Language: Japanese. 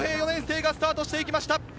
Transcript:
４年生がスタートしていきました。